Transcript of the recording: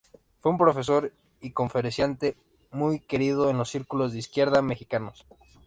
Fue un profesor y conferenciante muy querido en los círculos de izquierda mexicanos.